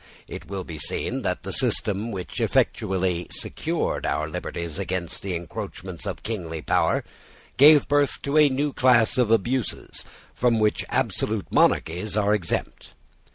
It will be seen that the system which effectually secured our liberties against the encroachments of kingly power gave birth to a new class of abuses from which absolute monarchies are exempt.